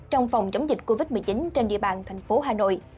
trong phòng chống dịch covid một mươi chín trên địa bàn tp hà nội